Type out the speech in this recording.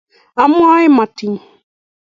amon metit